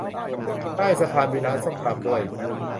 ใต้สะพานมีร้านส้มตำด้วย